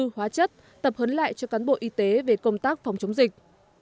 hóa chất tập hấn lại cho cán bộ y tế về công tác phòng chống dịch